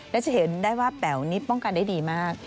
และจะเห็นได้ว่าแป๋วนี่ป้องกันได้ดีมาก